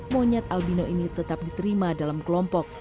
monyet albino ini tetap diterima dalam kelompok